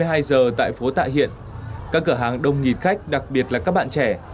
hai mươi hai giờ tại phố tạ hiện các cửa hàng đông nghìn khách đặc biệt là các bạn trẻ